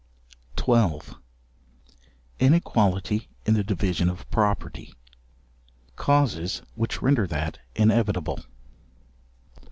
§12. Inequality in the division of property: causes which render that inevitable.